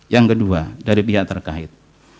yang kedua dari pihak terkait